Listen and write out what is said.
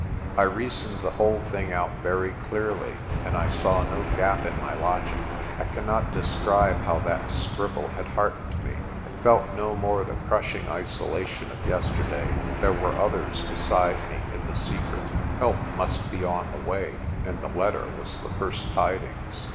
I reasoned the whole thing out very clearly, and I saw no gap in my logic. I cannot describe how that scribble had heartened me. I felt no more the crushing isolation of yesterday. There w r ere others beside me in the secret. Help must be on the way, and the letter was the first tidings.